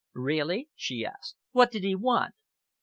"Really?" she asked. "What did he want?"